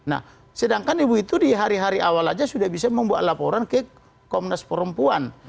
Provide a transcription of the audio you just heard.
karena kan ibu itu di hari hari awal saja sudah bisa membuat laporan ke komnas perempuan